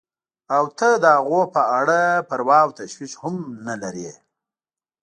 او ته د هغوی په اړه پروا او تشویش هم نه لرې.